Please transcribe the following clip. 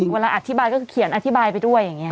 เวลาอธิบายก็เขียนอธิบายไปด้วย